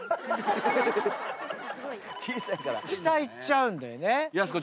下行っちゃうんだよね。